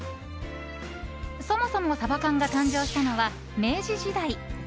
そもそも、サバ缶が誕生したのは明治時代。